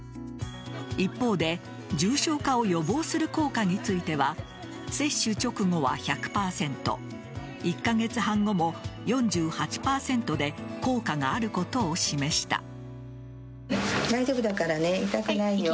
一方で重症化を予防する効果については接種直後は１００％１カ月半後も４８％で効果があることを示した。